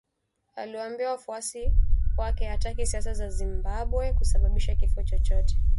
Aliwaambia wafuasi wake hataki siasa za Zimbabwe kusababisha kifo chochote